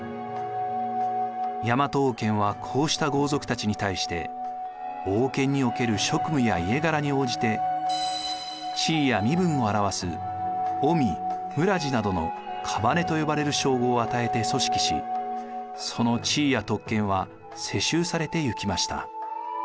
大和王権はこうした豪族たちに対して王権における職務や家柄に応じて地位や身分を表す臣連などの姓と呼ばれる称号を与えて組織しその地位や特権は世襲されていきました。